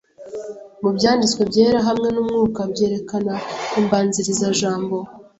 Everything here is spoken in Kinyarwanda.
Mu Byanditswe Byera hamwe n'Umwuka" byerekana imbanziriza-jambo